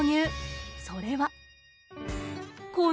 それは。